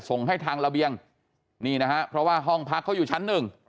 ส่งให้ทางระเบียงนี่นะฮะเพราะว่าห้องพักเขาอยู่ชั้นหนึ่ง